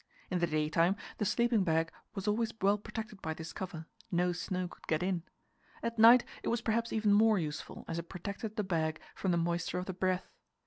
In the daytime the sleeping bag was always well protected by this cover; no snow could get in. At night it was perhaps even more useful, as it protected the bag from the moisture of the breath.